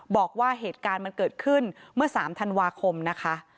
บอกว่าเหตุการณ์มันเกิดขึ้นเมื่อ๓ธันวาคมนะคะ